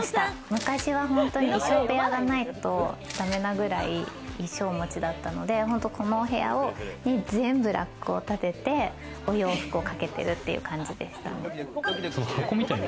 昔は本当に衣装部屋がないとだめなくらい衣装持ちだったので、このお部屋を全部ラックを立ててお洋服をかけてるっていうくらいでしたね。